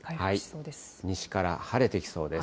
西から晴れてきそうです。